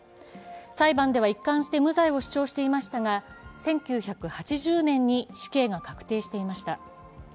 裁判では一貫して無罪を主張していましたが、１９８０年に死刑が確定していました。